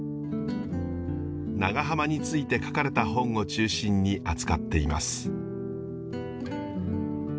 長浜について書かれた本を中心に扱っています。